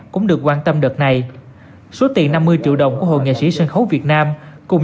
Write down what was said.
cũng được quan tâm đợt này số tiền năm mươi triệu đồng của hội nghệ sĩ sân khấu việt nam cùng